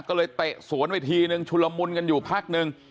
ก็เลยเตะสวนไปทีนึงชุลมุนกันอยู่พักนึง